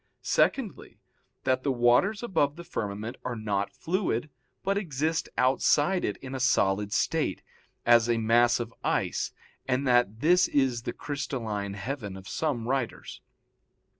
Secondly, that the waters above the firmament are not fluid, but exist outside it in a solid state, as a mass of ice, and that this is the crystalline heaven of some writers.